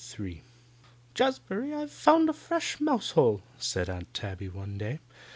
III "Jazbury, I've found a fresh mouse hole," said Aunt Tabby one day.